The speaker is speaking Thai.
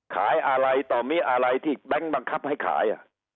ขายอะไรต่อมิอะไรที่แบงค์บังคับให้ขาย